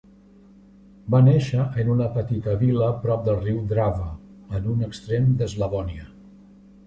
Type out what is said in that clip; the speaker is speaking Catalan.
Va néixer en una petita vila prop del riu Drava, en un extrem d'Eslavònia.